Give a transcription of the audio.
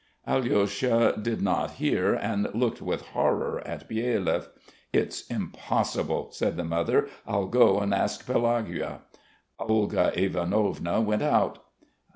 Alyosha did not hear and looked with horror at Byelyaev. "It's impossible," said the mother. "I'll go and ask Pelagueia." Olga Ivanovna went out.